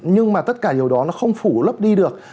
nhưng mà tất cả điều đó nó không phủ lấp đi được